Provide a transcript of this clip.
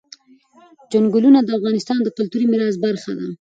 چنګلونه د افغانستان د کلتوري میراث برخه ده.